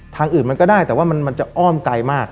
ทางอื่นมันก็ได้แต่ว่ามันจะอ้อมไกลมาก